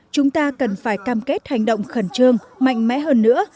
chúng ta cần phải cam kết hành động khẩn trương mạnh mẽ hơn nữa